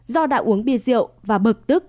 do đã uống bia rượu và bực tức